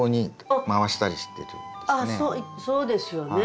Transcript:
ああそうですよね。